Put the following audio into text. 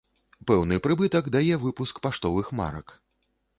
Пэўны прыбытак дае выпуск паштовых марак.